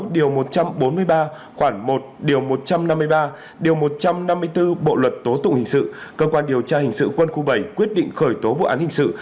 điều một trăm bốn mươi ba khoảng một điều một trăm năm mươi ba điều một trăm năm mươi bốn bộ luật tố tụng hình sự cơ quan điều tra hình sự quân khu bảy quyết định khởi tố vụ án hình sự